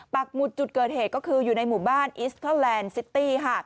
หุดจุดเกิดเหตุก็คืออยู่ในหมู่บ้านอิสเตอร์แลนด์ซิตี้ค่ะ